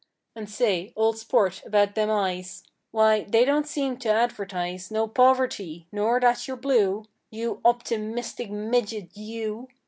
And, say, old sport, about them eyes: Wye, they don't seem to advertise No poverty, nor that you're blue, You optimistic midget you!